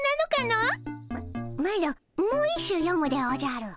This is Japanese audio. マロもう一首よむでおじゃる。